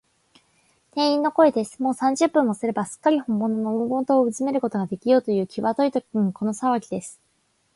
店員の声です。もう三十分もすれば、すっかりほんものの黄金塔をうずめることができようという、きわどいときに、このさわぎです。